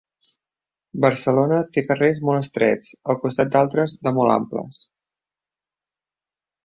Barcelona té carrers molt estrets, al costat d'altres de molt amples.